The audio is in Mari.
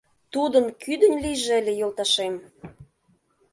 Тудын кӱдынь лийже ыле йолташем.